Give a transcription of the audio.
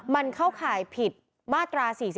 มันเข้าข่ายผิดมาตรา๔๔